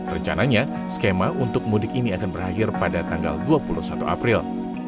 rencananya skema untuk mudik ini akan berakhir pada tanggal dua puluh satu april